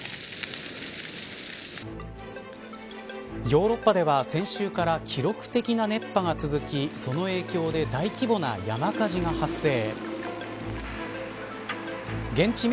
ヨーロッパでは先週から記録的な熱波が続きその影響で大規模な山火事が発生。